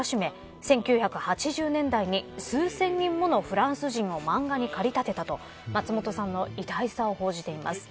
１９８０年代に数千人ものフランス人を漫画に駆り立てたと松本さんの偉大さを報じています。